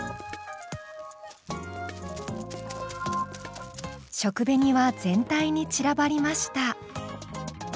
食紅は全体に散らばりました。